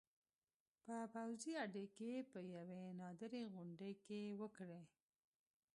په پوځي اډې کې په یوې نادرې غونډې کې وکړې